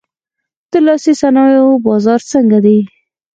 د لاسي صنایعو بازار څنګه دی؟